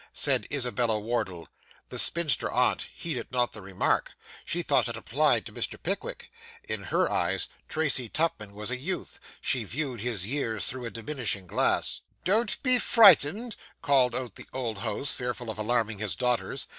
said Isabella Wardle. The spinster aunt heeded not the remark; she thought it applied to Mr. Pickwick. In her eyes Tracy Tupman was a youth; she viewed his years through a diminishing glass. 'Don't be frightened,' called out the old host, fearful of alarming his daughters.